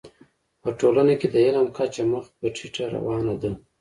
په ټولنه کي د علم کچه مخ پر ټيټه روانه ده.